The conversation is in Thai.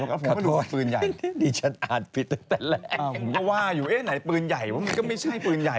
ข้อโทษนี่ฉันอ่านผิดตั้งแต่แรกอ่าวผมก็ว่าอยู่ไหนปืนใหญ่มาก็ไม่ใช่ปืนใหญ่